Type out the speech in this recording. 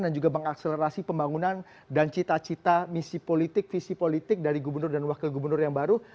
dan juga mengakselerasi pembangunan dan cita cita misi politik visi politik dari gubernur dan wakil gubernur yang baru